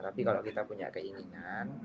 tapi kalau kita punya keinginan